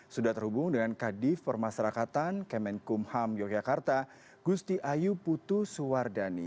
sudah terhubung dengan kadif permasyarakatan kemenkumham yogyakarta gusti ayu putu suwardani